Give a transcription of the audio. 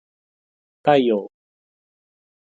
太陽